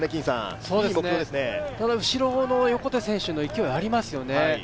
後ろの横手選手の勢いありますよね。